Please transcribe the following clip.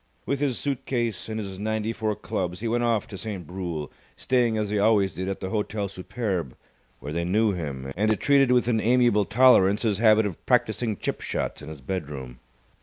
With his suit case and his ninety four clubs he went off to Saint Brule, staying as he always did at the Hotel Superbe, where they knew him, and treated with an amiable tolerance his habit of practising chip shots in his bedroom.